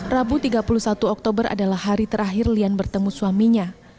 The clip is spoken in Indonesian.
rabu tiga puluh satu oktober adalah hari terakhir lian bertemu suaminya